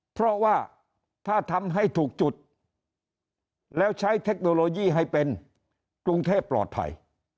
เพราะว่าถ้าทำให้ถูกจุดแล้วใช้เทคโนโลยีให้เป็นกรุงเทพปลอดภัย